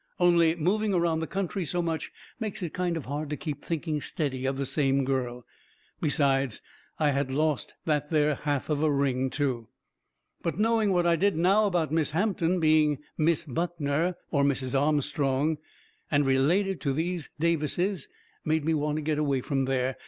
Only moving around the country so much makes it kind of hard to keep thinking steady of the same girl. Besides, I had lost that there half of a ring, too. But knowing what I did now about Miss Hampton being Miss Buckner or Mrs. Armstrong and related to these Davises made me want to get away from there.